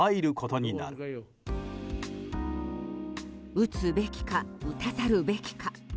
打つべきか、打たざるべきか。